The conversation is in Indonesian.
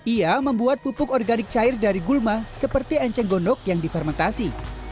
ia membuat pupuk organik cair dari gulma seperti enceng gondok yang difermentasi